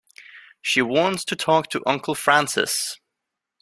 She wants to talk to Uncle Francis.